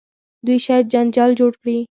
دوی شاید جنجال جوړ کړي.